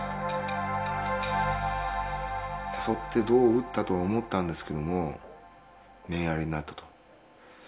誘って胴を打ったと思ったんですけども「面あり」になったと。